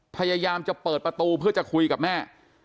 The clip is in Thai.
พยายามจะเปิดประตูเพื่อจะคุยกับแม่